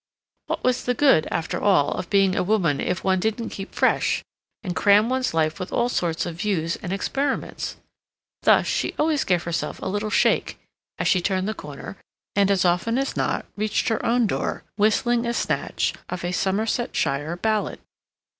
What was the good, after all, of being a woman if one didn't keep fresh, and cram one's life with all sorts of views and experiments? Thus she always gave herself a little shake, as she turned the corner, and, as often as not, reached her own door whistling a snatch of a Somersetshire ballad.